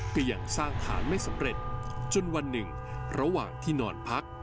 ก็ยังสร้างฐานไม่สำเร็จจนวันหนึ่งระหว่างที่นอนพัก